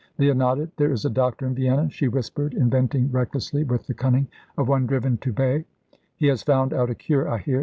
Leah nodded. "There is a doctor in Vienna," she whispered, inventing recklessly with the cunning of one driven to bay; "he has found out a cure, I hear.